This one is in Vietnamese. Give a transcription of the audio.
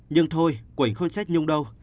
nhưng thôi quỳnh không trách nhung đâu